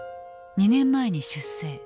２年前に出征。